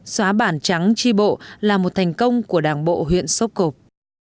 xóa bản trắng tri bộ là một thành công của đảng bộ huyện xúc hộp